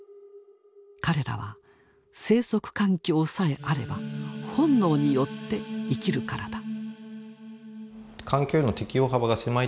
彼らは生息環境さえあれば本能によって生きるからだ。